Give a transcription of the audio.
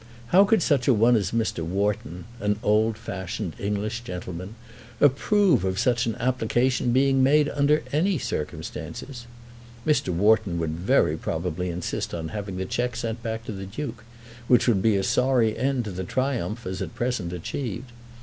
How could such a one as Mr. Wharton, an old fashioned English gentleman, approve of such an application being made under any circumstances? Mr. Wharton would very probably insist on having the cheque sent back to the Duke, which would be a sorry end to the triumph as at present achieved.